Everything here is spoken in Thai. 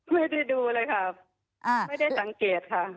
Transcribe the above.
ไม่ได้ดูเลยค่ะไม่ได้สังเกตค่ะ